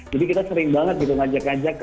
jadi kita sering banget gitu ngajak ngajak